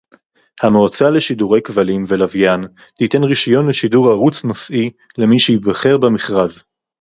המועצה לשידורי כבלים ולוויין תיתן רישיון לשידור ערוץ נושאי למי שייבחר במכרז